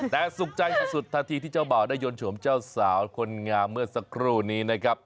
แต่สุขใจสุดทันทีที่เจ้าบ่าวได้ยนโฉมเจ้าสาวคนงามเมื่อสักครู่นี้นะครับ